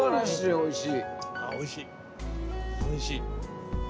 おいしい。